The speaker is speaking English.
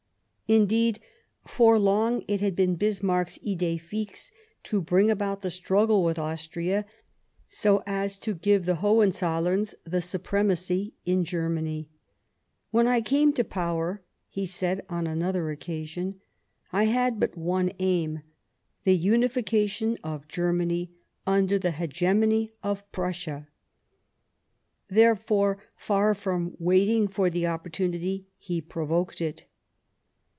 F 81 Bismarck Indeed, for long it had been Bismarck's idee fixe to bring about the struggle with Austria so as to give the Hohenzollerns the supremacy in Germ.any. " When . I came to power," he said on another occasion, " I had but one aim — the unification of Germany under the hegemony of Prussia." Therefore, far from waiting for the opportunity, he provoked it.